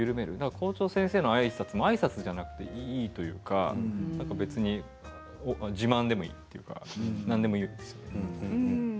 校長先生のあいさつもあいさつでなくていいというか別に自慢でもいいというか何でもいいんです。